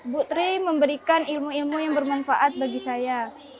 bu tri memberikan ilmu ilmu yang bermanfaat bagi saya